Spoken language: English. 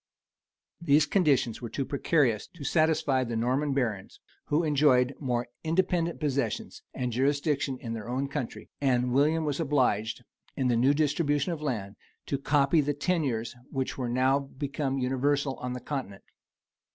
These conditions were too precarious to satisfy the Norman barons, who enjoyed more independent possessions and jurisdictions in their own country; and William was obliged, in the new distribution of land, to copy the tenures which were now become universal on the continent.